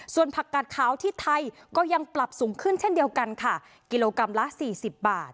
ส่วนผักกาดขาวที่ไทยก็ยังปรับสูงขึ้นเช่นเดียวกันค่ะกิโลกรัมละ๔๐บาท